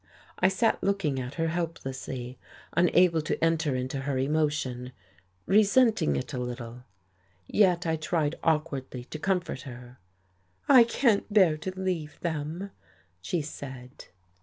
I sat looking at her helplessly, unable to enter into her emotion, resenting it a little. Yet I tried awkwardly to comfort her. "I can't bear to leave them," she said.